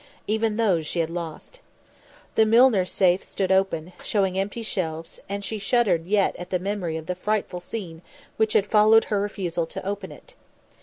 Even those she had lost. The Milner safe stood open, showing empty shelves, and she shuddered yet at the memory of the frightful scene which had followed her refusal to open it.